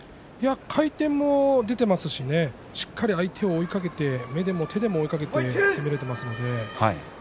回転も出ていますししっかり相手を追いかけて胸でも手でも追いかけていますよね。